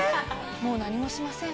もう何もしません。